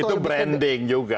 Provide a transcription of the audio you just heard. enggak itu branding juga